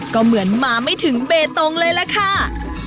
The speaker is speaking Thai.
ก็เหมือนมาไม่ถึงเบตงเลยล่ะค่ะ